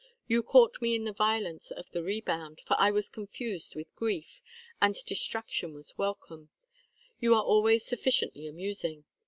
You caught me in the violence of the rebound, for I was confused with grief, and distraction was welcome: you are always sufficiently amusing.